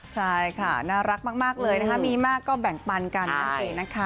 ใช่ค่ะน่ารักมากเลยนะคะมีมากก็แบ่งปันกันนั่นเองนะคะ